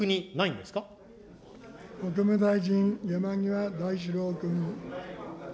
国務大臣、山際大志郎君。